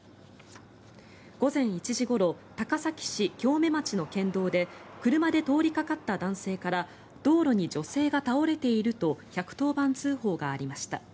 午前１時ごろ高崎市京目町の県道で車で通りかかった男性から道路に女性が倒れていると１１０番通報がありました。